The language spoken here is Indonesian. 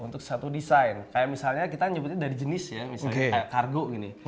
untuk satu desain kayak misalnya kita nyebutnya dari jenis ya misalnya kayak kargo gini